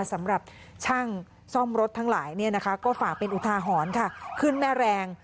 สำหรับช่างซ่อมรถทั้งหลายก็ฝากเป็นอุทาหรณ์ค่ะขึ้นแม่แรง